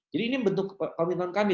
jadi ini bentuk komitmen kami